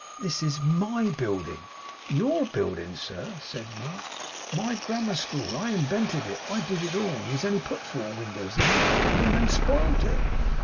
This is MY building.' 'Your building, sir!' said Mark. 'My grammar school. I invented it. I did it all. He has only put four windows in, the villain, and spoilt it!